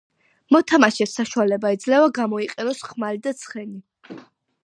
მოთამაშეს საშუალება ეძლევა, გამოიყენოს ხმალი და ცხენი.